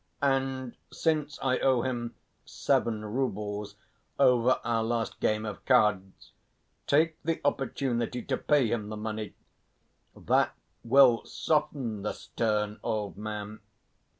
And since I owe him seven roubles over our last game of cards, take the opportunity to pay him the money; that will soften the stern old man.